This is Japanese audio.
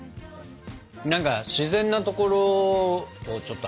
何か自然なところをちょっと走りたいよね。